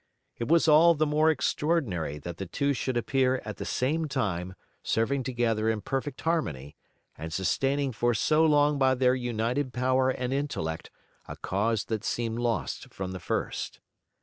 It was all the more extraordinary that the two should appear at the same time, serving together in perfect harmony, and sustaining for so long by their united power and intellect a cause that seemed lost from the first.